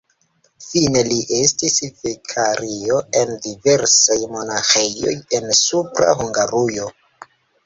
Fine li estis vikario en diversaj monaĥejoj en Supra Hungarujo.